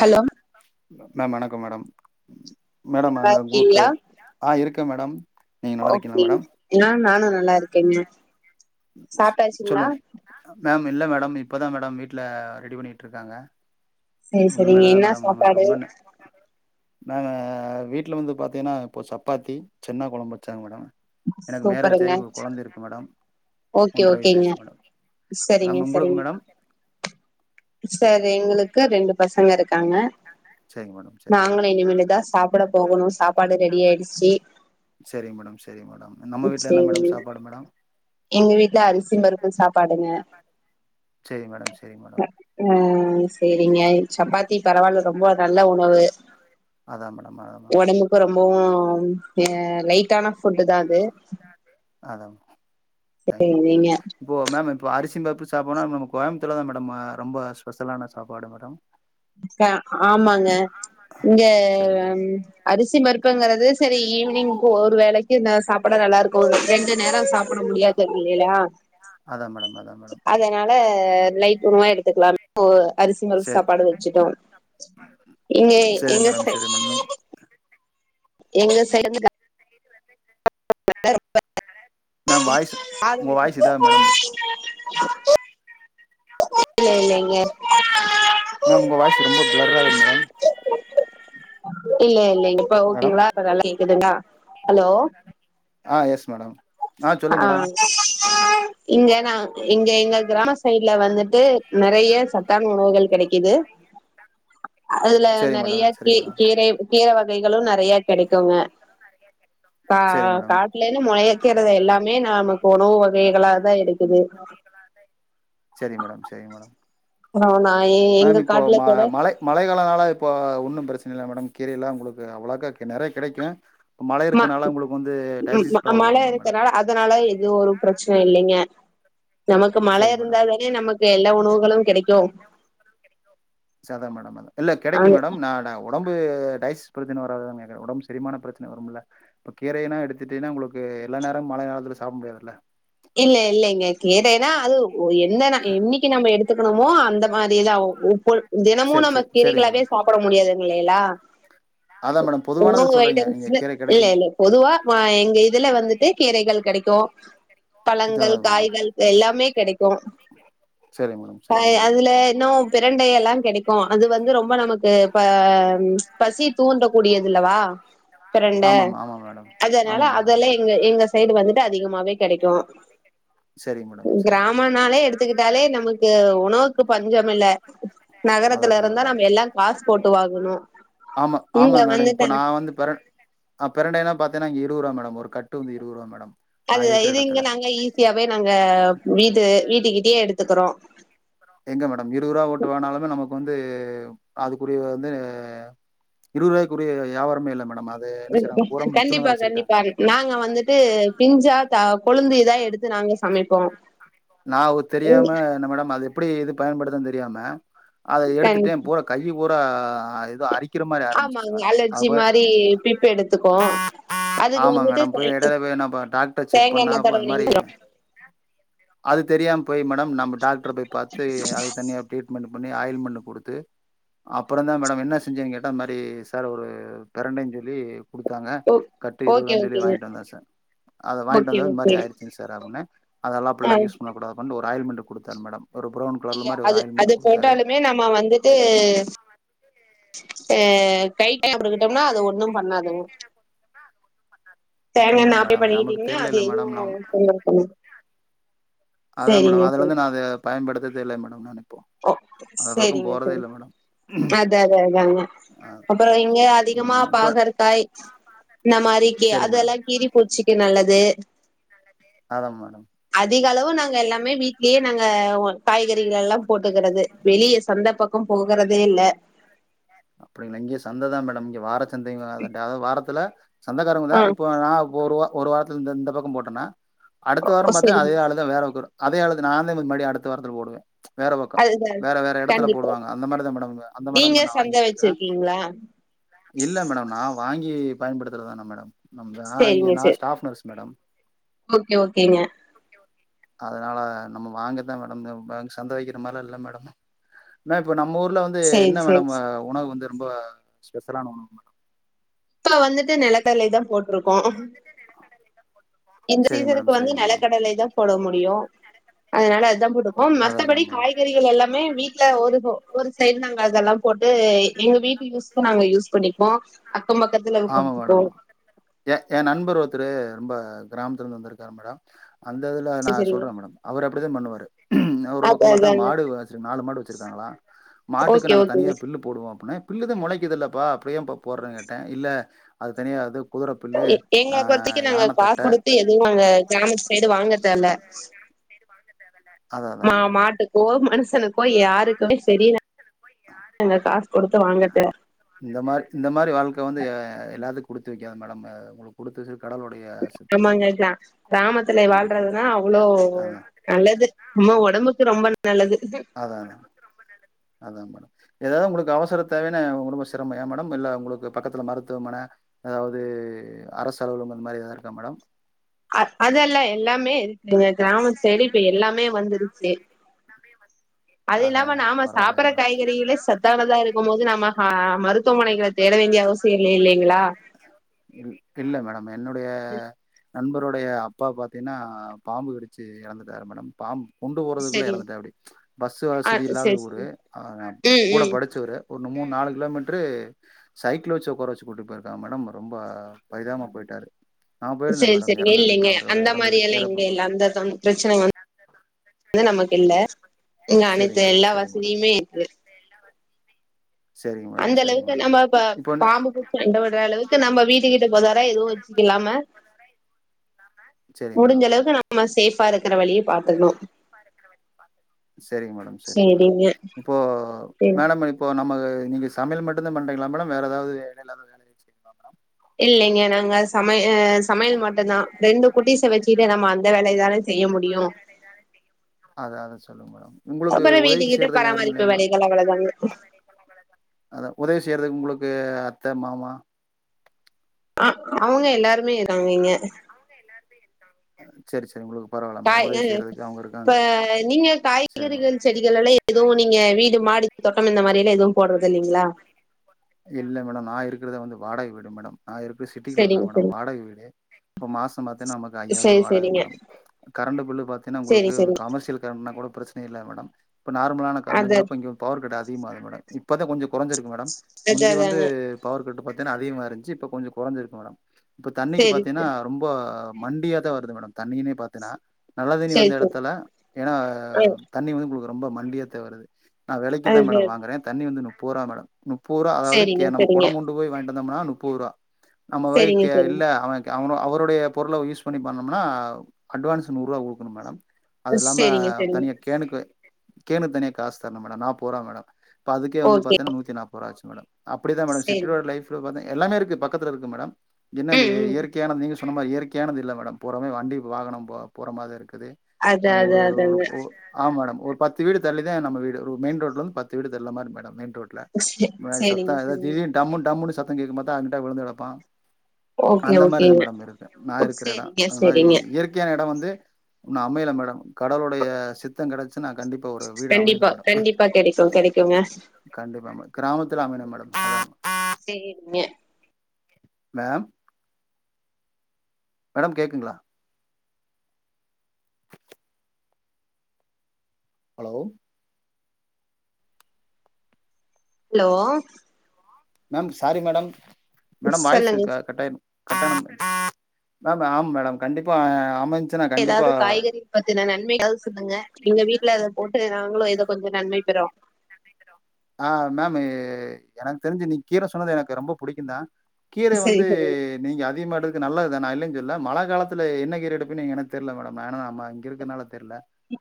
Hello ma'am வணக்கம் madam madam நல்லா அந்த குழுக்கு இருக்கீங்களா ஆ இருக்க மேடம் நீங்க நல்லா இருக்கீங்களா ஓகே மேடம் என்ன நானு நல்லா இருக்கங்க சொல்லு மேம் இல்ல மேடம் இப்போ தா மேடம் வீட்ல ரெடி பண்ணிட்டு இருக்காங்க சேரி சேரி இனிமேல்தா என்னா மேடம் நமக்கு சாப்பாடு உன்னொன்னு நாங்க வீட்ல வந்து பாத்தீங்கன்னா இப்போ சப்பாத்தி சன்ன குழம்பு வச்சாங்க மேடம் எனக்கு சூப்பருங்க மேரேஜ்சாய் ஒரு குழந்த இருக்கு மேடம் ஓகே ஒன்றரை வயசு ஓகேங்க ஆயிடுச்சு மேடம் சரிங்க மேம் உங்களுக்கு சரிங்க மேடம் சார் எங்களுக்கு ரெண்டு பசங்க இருக்காங்க சேரிங்க மேடம் சரிங்க மேடம் நாங்களு இனிமேலதா சாப்ட போகணு சாப்பாடு ரெடி ஆயிடுச்சு சரிங்க மேடம் சரிங்க மேடம் நம்ம வீட்ல என்ன மேடம் [unintelligible] சாப்பாடு மேடம் எங்க வீட்ல அரிசி பருப்பு சாப்பாடுங்க சேரிங்க மேடம் சேரிங் மேடம் ஆஹ சேரிங்க சப்பாத்தி பரவாயில்ல ரொம்ப நல்ல உணவு அதா மேடம் அதா மேடம் உடம்புக்கு ரொம்பவும் ஹ லைட்டான ஃபுட் தா அது அதான் மே தேங்க்யூ மேடம் சரிங்க இப்போ மேம் இப்போ அரிசி பருப்பு சாப்பாடுனா நம்ம கோயம்பத்தத்துல தா மேடம் ரொம்ப ஸ்பெஷலான சாப்பாடு மேடம் ஆமாங்க இங்க சரி மேடம் அரிசி பருப்புங்கறது சரி ஈவினிங் ஒரு வேளைக்கு ந சா அப்படம் நல்லா இருக்கும் ரெண்டு நேர சாப்ட முடியாது இல்லேலா அதான் மேடம் அதான் மேடம் அதனால லைட் உணவா எடுத்துக்கலான்னு அரிசி பருப்பு சரி சாப்பாடு எடுத்துடோம் எங்க எங்க ம் எங்க சைடு [inaudible] மேம் வாய்ஸ் உங்க வாய்ஸ் இதா மேடம் [unintelligible] இல்ல இல்ல இங்க மேம் உங்க வாய்ஸ் ரொம்ப பிளர் ஆகுது மேடம் இல்ல இல்ல இப்ப மேடம் ஓகேங்களா நல்லா கேக்குதுங்களா ஹலோ ஆ எஸ் மேடம் சொல்லுங்க ஆ மேடம் இங்கேனா இங்க இங்க கிராமஸ் சைட்ல வந்துட்டு நெறைய சத்தான உணவுகள் கெடைக்குது அதுல சரி நெறைய மேடம் சரி கே மேடம் கீரை கீரை வகைகளு நெறைய கெடைக்குங்க கா சரி மேடம் காட்டுலன்னு முழக்கிறது எல்லாமே நாம உணவு வகைகளாதான இருக்குது சரிங் மேடம் சரிங் பாத்துருப்பாய்ங்க நா நா ஏ காட்டுல கூட மழை மழை காலனால இப்போ ஒன்னு பிரச்சனை இல்ல மேடம் கீரைையெல்லா உங்களுக்கு அவ்வளாக்கா நெறைய கெடைக்கு இப்ப மழை ம இருக்கனால உங்களுக்கு வந்து டைஜஸி ம ப்ராளம் மழ வரும்ல மேடம் இருக்கனால அதனால எதுவு ஒரு பிரச்சனை இல்லைங்க நமக்கு மழை சரி மேடம் இருந்தாதான நமக்கு இங்க எல்லா உணவுகளு கெடைக்கு சத மேடம் அத இல்ல கெடைக்கு அங்க மேடம் நாடகு ஒடம்பு டஜிஷன் பிரச்சனை வரா ஒடம்பு சரிமான பிரச்சனை வரும்ல இப்ப கீரையெலா எடுத்துட்டீங்கன்னா உங்களுக்கு எல்லா நேரம் மழை காலத்துத்துல சாப்ட முடியாதுல இல்ல இல்லலைங்க கேட்டேன்னா அது எந்த நா என்னைக்கு நம்ம எடுத்துக்கணுமோ அந்த மாரிதா உ பொ தினமு சரி நம்ம சரி சரி கீரைகளாவே மேடம் சாப்பட முடியாது இல்லையல்லா அதான் மேடம் பொதுவானது உள்ளூர் சொல்கிறீங்க நீங்கள் ஐட்டம்ஸ்சு கீரை கிடைக்கும் பொதுவா வா எங்க இதுல வந்துட்டு கீரைகள் கெடைக்கு பழங்கள் அதான் மேடம் காய்கள் எல்லாமே கெடைக்கு சரி மேடம் சரி மேடம் அதுல இன்னு பிரண்டை எல்லா கெடைக்கு அது வந்து ரொம்ப நமக்கு பா பசி தூன்டு கூடியதுல்லவா பிரண்ட ஆமாம் ஆமாம் மேடம் அதனால ஆமா மேடம் அதெல்லா ஆமா எங்க எங்க சைடு வந்துட்டு அதிகமாவே கெடைக்கு சரிங்க மேடம் சரிங்க மேடம் கிராமனாலே எடுத்துக்கிட்டாலே நமக்கு உணவுக்கு பஞ்சமில்ல நகரத்துல அததா இருந்தா மேடம் நம்ம எல்லா காசு போட்டு வாங்கணு ஆமா ஆமா இங்க மேடம் வந்துட்டு இப்ப நா வந்து பிர ஆ பிரண்டைனா பாத்தங்கன்னாங்க இருவ்ரூபா மேடம் ஒரு கட்டு வந்து இருவரூபா மேடம் நா அது இருக்கிற இது இங்க எடத்துல நாங்க ஈஸியாவே நாங்க வீடு வீட்டுக்கிட்டே எடுத்துக்கிறோ எங்க மேடம் இருவருவா ஓட்டு வேணாலுமே நமக்கு வந்து அதுக்குரிய வந்து இருவரூபாய்குரிய வியாாரமே இல்ல மேடம் அது என்ன செய்றாங்க பூரா கண்டிப்பா முத்துணதா வச்சிருக்காங்க கண்டிப்பா நாங்க வந்துட்டு பிஞ்சா தா கொளுந்து எதா எடுத்து நாங்க சமைப்போ நா தெரியாம என்ன மேடம் அது எப்படி இது பயன்படுதுன்னு தெரியாம அத கண் எடுத்துட்டே பூரா கையிபுரா ஏது அரிக் க்கிற மாரி ஆம்பிச்சச்சு ஆமாங்க மேடம் அ அலர்ஜி போய் மாரி பிப் எடுத்துக்கு அதுக்கு ஆமா வந்துட்டு மேடம் தே போய் எடைல போய் என்ன ப டாக்டர் செக் தேங்கா பண்ணா எண்ணெ அது மாரி தடவுனீங்க அது தெரியாம போய் மேடம் நம்ம டாக்டர் போய் பாத்து அதுக்கு தனியா ட்ரீட்மெண்ட் பண்ணி ஆயில் மென்ட்டு குடுத்து அப்புறந்தா மேடம் என்ன செஞ்சேன்னு கேட்டா அந்த மாரி சார் ஒரு பெரண்டைன்னு சொல்லி குடுத்தாங்க ஓ கட்டு ஓகே இருவதுரூவாஞ்சொல்லி ஓகேங்க வாங்கிட்டு வந்த சார் அத வாங்கின்ட்டு ஓகே வந்த இது மாரி ஓகே ஆயிச்சுங்க சார் அப்டின்ன அதெல்லா ஆ அப்புல்லா யூஸ் பண்ணக்கடாதுப்பானு ஒரு ஆயில்மென்ட் குடுத்தார் மேடம் ஒரு ப்ரௌன் கலர்ல இல்ல மாரி ஒரு அது அது ஆயில்மெண்ட் குடுத்தாரு போட்டாலுமே நம்ம வந்துட்டு ஆ கைக்கு அப்ளை பண்ணிக்கிட்டோன்னா அது ஒண்ணு பண்ணாதுங்க தேங்காண்ண அப்படிங்களா அப்ளை மேடம் நமக்கு பண்ணிக்கிட்டீங்கன்னா அது தெரியலல்ல மேடம் நா எதும் தொந்தரவு பண்ணாது அதா மேடம் அதுல இருந்து நா அத பயன்படுத்துறதே இல்ல மேடம் நானு இப்போ ஓ அந்த பக்கோ போறதே இல்ல மேடம் அதா அதா அதா அ. அப்பறோ இங்க அதிகமா ம் இப்ப பாகற்க்காய் இந்த மாரிக்கி சரி மேடம் அதெல்லா கீறி பூச்சிக்கு நல்லது அதா மேடம் அதிக அளவு நாங்க எல்லாமே வீட்லயே நாங்க காய்கறிகளலா போட்டுக்கிறது வெளிய சந்தப் பக்கோ போகுறதே இல்ல அப்டிங்களா இங்க சந்ததா மேடம் இங்க வாரச் சந்தைங்க அதாவது வாரத்துல சந்தக்காரங்கனா ஆ இப்போ நா இப்ப ஒரு வா ஒரு வாரத்துல இந்த இந்த பக்கோ போட்டேனா அடுத்த வாரோ ஓ பாத்தா சரிங்க அதே ஆளுதா வேற பக்க வரு அதே ஆளுக்கு நாந்தே போயி மறுபடியு அடுத்த வாரத்துல போடுவே வேற பக்கோ அதுதா வேற வேற எடத்துல கண்டிப்பா போடுவாங்க அந்த மாரிதா மேடம் இங்க அந்த மாரி தா நீங்க மேடம் நா சந்த வாங்கிட் ருக்கறே வச்சிருக்கீங்களா இல்ல மேடம் நா வாங்கி பயன்படுத்துறது தான மேடம் நம் நா இங்க சேரிங்க நா சேர் ஸ்டாஃப் நர்ஸ் மேடம் ஓகே ஓகேங்க அதனால நம்ம வாங்கரதா மேடம் சந்த வகக்கிற மாரிலா இல்ல மேடம் மேம் இப்ப நம்ம ஊர்ல வந்து சரி என்ன சரி மேடம் உணவு வந்து ரொம்ப ஸ்பெஷலான உணவு இப்ப வந்துட்டு நெலக்கடலை தா போட் ருக்கோ இந்த சரிங்க மேடம் சீசனுக்கு வந்து சரிங்க மேடம் நெலக்கடலை தா போட முடியு அதனால அதுதா போட்ருக்கோ அதா அதா மத்தபடி மேடம் காய்கறி களெல்லாமே வீட்ல ஒரு ஒரு சைடு நாங்க அதெல்லா போட்டு எங்க வீட்டு யூஸ்க்கு நாங்க யூஸ் பண்ணிப்போ அக்கம் பக்கத்துல ஆமா மேடம் குடுத்துப்போம். ஏ ஏ நண்பர் ஒருத்தரு ரொம்ப கிராமத்துல இருந்து வந்திருக்காரு மேடம் அந்ததுல நா சரி சரிங்க. சொல்றே மேடம் அவரு அப்டிதா பண்ணுவாரு அவரு அது பக்கோ பாத்தா அதாங்க. மாடு வச் நாலு மாடு வச்சிருக்காங்களா மாட்டுக்கு ஓகே நாங்க தனியா ஓகேங்க. பில்லு போடுவோ அப்டினு பில்லு தா மொளைக்குதுல்லப்பா அப்பறோ ஏப்பா போடுறனு கேட்டே இல்ல அது தனியா அது குதிர புல்லு ஆ எங்கள பொறத்த வரைக்கு நாங்க யான காசு தட்ட கொடுத்து எதுவும் அங்க கிராமத்து சைடு வாங்கத் தேவல்ல அதா அதா ஆ மேடம் மாட்டு ஓ மனுஷனுக்கோ யாருக்குமே சேரி நாங்க காசு கொடுத்து வாங்கதுல்ல இந்த மாரி இந்த மாரி வாழ்க்க வந்து எல்லாத்துக்கு குடுத்து வைக்காது மேடம் ஒங்ளுக்கு குடுத்து வச்சிருக் கடவுளுடைய சித்தம் தா ஆமாங்க மேடம் கிராமத்துல கண்டிப்பா வாழ்றதுன்னா அவ்ளோ அதா நல்லது நம்ம ஒடம்புக்கு ரொம்ப நல்லது அதா அதாங்க மேடம் எதாவது ஒங்களுக்கு அவசரத் தேவைனா ரொம்ப சிரமோ ஏ மேடம் இல்ல ஒங்ளுக்கு பக்கத்துல மருத்துவமன அதாவது அரசு அலுவலம் அந்த மாரி எதாவது இருக்கா மேடம் அ அதெல்லா எல்லாமே இருக்குங்க கிராமத்து சைடு இப்ப எல்லாமே வந்துருச்சு அது அதா இல்லாம அதா நாம பரவால்லை சாப்பட்ற மேடம் காய்கறிகளே சத்தானதா இருக்கும் போது நாம அ மருத்துவமனைகள தேட வேண்டிய அவசியோ இல்ல இல்லைங்ளா இல் இல்ல மேடம் என்னுடைய நண்பருடைய அப்பா பாத்தீங்கன்னா பாம்பு கடிச்சு எறந்துட்டாரு மேடம் பாம்பு கொண்டு போறதுக்குள்ள சரிங்க எறந்துட்டாப்டி பஸ் ஆ வசதி இல்லாத சரி ஊரு சரி ம் கூடப் ம் படிச் சவரு ஒரு மூணு நாலு கிலோ மீட்ரு சைக்கிள வச்சு ஒக்கார வச்சு கூட்டு போயிருக்காங்க மேடம் ரொம்ப பரிதாபம போய்ட்டாரு செரி செரி இல்லங்க அந்த எறந்தது மாரியல்லா இங்க எறப்பு இல்ல அந்த தொந் பிரச்சன வ வந்து நமக்கு இல்ல இங்க அனைத்து சேரிங்க மேடம் எல்லா சேரிங்க மேடம் வசதியுமே இருக்கு சரிங்க மேடம் சரிங்க அந்தளவுக்கு மேடம் நம்ம இப்ப இப்போ நெ பாம்பு பூச்சி அண்டபடுற அளவுக்கு நம்ம வீட்டு கிட்ட போதாரா எதுவு வச்சுக்லாம செரிங் மேடம் நம்ம சேஃபா இருக்கிற வழிய பாத்துக்ணு செரிங்க மேடம் செரிங்க மேடம் சரிங்க இப்போ சரி மேடம் இப்போ நம்ம நீங்க சமையல் மட்டும்தா பண்றீங்களாமடா வேற ஏதாவது இடைய செறிங்களா மேடம் இல்லீங்க நாங்க அஸ் சமைய சமையல் மட்டும்தா ரெண்டு குட்டிஸ வச்சுட்டே நம்ம அந்த வேலய தானே செய்ய முடியு அத அத சொல்லுங்க மேடம் உங்களுக்கு அப்பறோ உதவி வீட்டுக்கிட்ட செய்யறத யாரு பராமரிப்பு இல்லயா மேட வேலைகள் அவ்வளதாங்க அதா உதவி செய்யறதுக்கு உங்களுக்கு அத்த மாமா அ அவங்க எல்லாருமே இருங்காங்க இங்க [unintelligible] செரி செரி உங்களுக்கு பரவால்ல மேடம் காய் உதவி கள் செய்யறதுக்கு அவங்க இருக்காங்க இப்ப நீங்க செரிங்க காய்கறிகள் செடிகள் எல்லா எதுவு நீங்க வீடு மாடி தோட்டம் இந்த மாரி எல்லா எதுவு போடுறது இல்லீங்களா இல்ல மேடம் நா இருக்கிறத வந்து வாடக வீடு மேடம் நா இருக்கிற சிட்டில இருக்கிற செரிங்க மேடம் வாடக வீடு இப்ப மாச எல்லா பாத்தின்னா நமக்கு ஐயிரம் ரூபா வாடக செரிங்க மேடம் கரண்ட் பில்லு பாத்தின்னா செரி உங்களுக்கு செரிங்க கமர்சியல் கரண்ட்னா கூட பிரச்ச னயில்ல மேடம் இப்ப நார்மலான செரி செரி அது கரண்டங்க இங்க பவர் கட் அதிகமாது மேடம் இப்பதா கொஞ்சோ கொறஞ்சிருக்கு மேடம் அது முந்தி வந்து அதாங்க பவர் கட்டு பாத்தீங்கன்னா அதிகமா இருந்துச்சு இப்ப கொஞ்ச குறைஞ்சிருக்கு மேடம் இப்ப தண்ணிக்கு செரி பாத்தீன்னா செரி ரொம்ப மண்டியா தா வருது மேடம் தண்ணியின பாத் தினா நல்ல தண்ணி செரி வந்த செரி இடத்துல ஏன்னா அ தண்ணி வந்து உங்களுக்கு ரொம்ப மண்டியா தே வருது நா விலைக்கு தா அது மேடம் வாங்கறே தண்ணி வந்து நுப்பது ரூபா மேடம் நுப் புரா அதாவது கே செரிங்க நம்ம செரிங்க குடம் கொண்டு போய் வாங்கிட்டு வந்தோம்னா நுப்பது ரூபா நம்ம போய் செரிங்க கே இல்ல செரிங்க அவ எவனோ அவருடைய பொருள யூஸ் பண்ணி பண்னோம்னா அட்வான்ஸ் நூறுரூபா குடுக்கணு மேடம் அது இல்லாம செரிங்க செரிங்க தனிய கேணுக்கு கேணக்கு தனியா காசு தரணு மேடம் நாற்பது ரூபா மேடம் இப்ப அதுக்கே வந்து ஓகே பாத்தன்னா நூத்தி நாற்பது ரூபா ஆச்சு மேடம் அப்டிதா மேடம் செரி சிட்டி ஓட லைஃப்ல பாத்தீங்க எல்லாமே இருக்கு பக்கத்துல இருக்கு மேடம் என்ன இந்த ம் இ ம் இயற் கையானது நீங்க சொன்ன மாரி இயற்கையானது இல்ல மேடம் போறாமே வண்டி வாகன போ போற மாரி தா இருக்குது அதா அதா அதாங்க ஆமா மேடம் ஒரு பத்து வீடு தள்ளி தா நம்ம வடு ஒரு மெயின் ரோட்ல இருந்து பத்து வீடு தள்ளி மாரி மேடம் மெயின் ரோட்ல சே இந்த மாதிரி சேரிங்க சத்தோ ஏதாது சேரிங்க திடிர்னு டமும் டம்னு சத்த கேக்கும்னு பாத்தா அங்கிட்டா விழுந்து கிடப்பா ஓகே அந்த மாரி தா ஓகேங்க மேடம் இருக்கு நா இருக்கிற இடம் சேரிங்க அந்த மாரி சேரிங்க இயற் கையான இட வந்து இன்னோ அமையில மேடம் கடவுளுடைய சித்தம் கிடைச்சுனா கண்டிப்பா ஒரு வீடு அமையணு மேடம் க்கோங்க கண்டிப்பா மேடம் கிராமத்துல அமையனு மேடம் செரிங்க மேம் மேடம் கேட்க்குங்களா hello hello ma'am sorry madam madam voice சொல்லுங்க க கட்டாய மேம் ஆம் மேடம் கண்டிப்பா அமஞ்சு ஏதாது காய்கறி பத்தின நன்மை சொல்லுங்க எங்க வீட்ல அத போட்டு நாங்களு எதொ கொஞ்ச நன்மை பெறோ ஆ மேம் எனக்கு தெரிஞ்சு நீ கீர சொன்னது எனக்கு ரொம்ப புடிக்குந்தா கீரை சரி வந்து சரி நீங்க அதிகமா எடு நல்லத்தா நா இல்லனு சொல்லல மழ காலத்துல என்ன கீர எடுப்பீங்கனு எனக்கு தெரில்ல மேடம் ஆனா அம்மா இங்கர்கனால தெரில்ல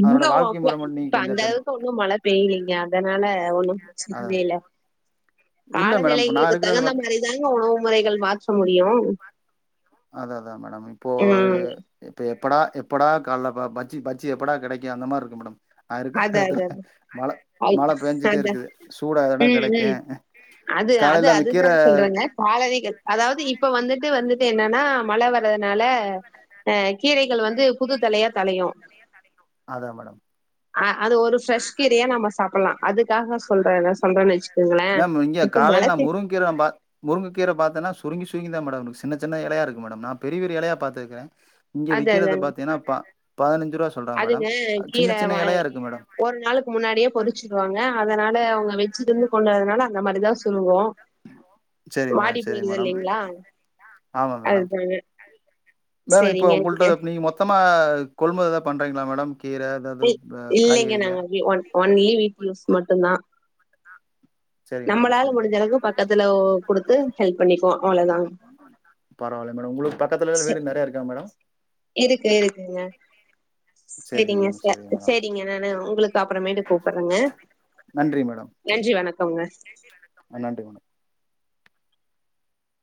இங்கோ [unintelligible] அந்தளவுக்கு இன்னு மழ பேய்லீங்க அதனால ஒன்னு பிரச்சன அதா இல்ல இல்ல மேடம் இப்ப நா காலநிலைகளுக்கு இருக்கிறத தகுந்த பாத் மாரிதாங்க உணவு முறைகள் மாற்ற முடியு அத்தாஅத்தா மேடம் இப்போ ம் இப்ப எப்படா எப்படா கால பஜ்ஜி பஜ்ஜி எப்படா கெடைக்கு அந்த மார்ருக்கு மேடம் நா இருக்க அத எடத்துல அத மழ மழ பேஞ்சுட்டே அத இருக்குது சூடா எதனா ம் கெடைக்கு ம் அது அது காலைல அந்த கீர அதுதா சொல்றேங்க காலவிகள் அதாவது இப்ப வந்துட்டு வந்துட்டு என்னனா மழ வர்றதுனால அ கீரைகள் வந்து புது தலையா தலையு அதா மேடம் அ அது ஒரு ஃப்ரெஷ் கீரையா நம்ம சாப்புல்லா அதுக்காக சொல்றே சொல்றேன்னு வச்சுக்கோங்களே இப்ப மழ சீஸன் கீரோம்பா முருங்க கீர பத்தேன்னா சுருங்கி சுருங்கி தா இருக்கு மேடம் சின்ன சின்ன எலயா இருக்கு மேடம் நா பெரிய பெரிய எலையா பாத்துருக்ற இங்க அது விக்கிறத அதாங்க. பாத்தீங்கன்னா ப பதினஞ்சு ரூபா சொல்றாங் மேடம் அதுங்க சின்ன கீரை வ சின்ன எலையா இருக்கு மேடம் ஒரு நாளுக்கு முன்னாடியே பொறிச்சிடுவாங்க அதனால அவங்க வச்சிருந்து கொண்டு வரதுனால அந்த மாரி தா சொல்லுவோ சரி வாடி மேடம் சரி மேடம் போயிருதுல்லேங்ளா ஆமா மேடம் அதுக்கு பெறகு மேம் இப்போ உங்களிட்ட நீங்க மொத்தமா கொள்முதல் ஏதா பண்றீங்ளா மேடம் கீர இல்லேங்க நாங்க ஒ ஒன்லி வீட்டு யூஸ் மட்டுந்தா சரிங்க மேடம் நம்மளால சரி முடிஞ்ச மேடம் அளவுக்கு பக்கத்துல கொடுத்து ஹெல்ப் பண்ணிப்போ அவ்ளோதா பரவால்ல மேடம் உங்களுக்கு பக்கத்துல சே வீடு நெறைய இருக்கா மேடம் இருக்கு இருக்குங்க சரிங்க செரிங்க மேடம் ச சரிங்க மேடம் செரிங்க நானு உங்களுக்கு அப்புறமேட்டு கூப்புறங்க நன்றி மேடம் நன்றி வணக்கம்ங்க ஆ நன்றி வணக்கம்